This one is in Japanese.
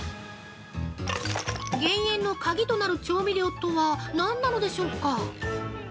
減塩の鍵となる調味料とは何なのでしょうか？